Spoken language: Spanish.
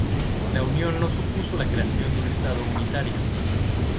La unión no supuso la creación de un estado unitario.